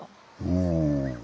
うん。